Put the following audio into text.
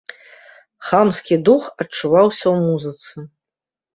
Хамскі дух адчуваўся і ў музыцы.